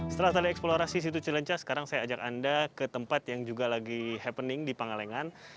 setelah tadi eksplorasi situ cilenca sekarang saya ajak anda ke tempat yang juga lagi happening di pangalengan